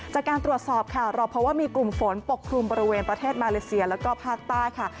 จากการตรวจสอบค่ะเราเพราะว่ามีกลุ่มฝนปกคลุมบริเวณประเทศมาเลเซียแล้วก็ภาคใต้ค่ะ